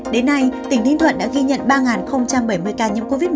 đến nay tỉnh ninh thuận đã ghi nhận ba bảy mươi ca nhiễm covid một mươi chín